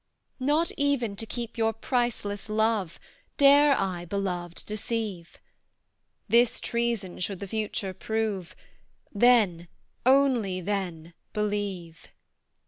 Not even to keep your priceless love, Dare I, Beloved, deceive; This treason should the future prove, Then, only then, believe!